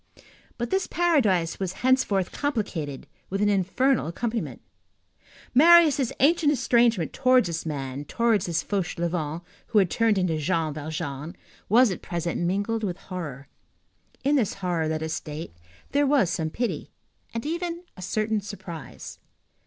But this paradise was henceforth complicated with an infernal accompaniment. Marius' ancient estrangement towards this man, towards this Fauchelevent who had turned into Jean Valjean, was at present mingled with horror. In this horror, let us state, there was some pity, and even a certain surprise.